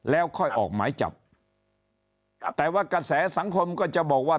แล้วค่อยออกหมายจับแต่ว่ากระแสสังคมก็จะบอกว่า